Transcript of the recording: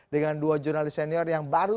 dengan dua jurnalis senior yang baru